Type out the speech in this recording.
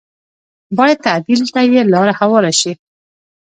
بايد تعديل ته یې لاره هواره شي